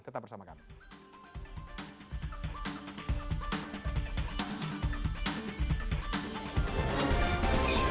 tetap bersama kami